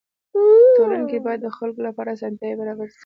په ټولنه کي باید د خلکو لپاره اسانتياوي برابري سي.